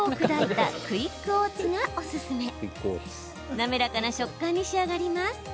滑らかな食感に仕上がります。